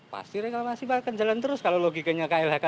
pasti reklamasi akan jalan terus kalau logikanya klhk